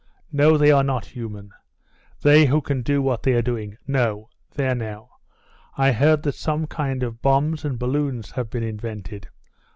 "No, they are not human, they who can do what they are doing No There, now, I heard that some kind of bombs and balloons have been invented.